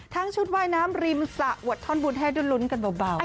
ชุดว่ายน้ำริมสระอวดท่อนบุญให้ได้ลุ้นกันเบา